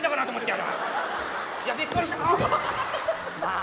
いやびっくりしたあっ